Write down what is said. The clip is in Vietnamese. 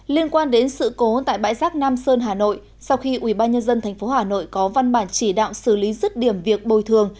liên quan đến sự cố tại bãi rác nam sơn hà nội sau khi ubnd tp hà nội có văn bản chỉ đạo xử lý rứt điểm việc bồi thường